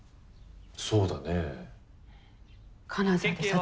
そうだねえ。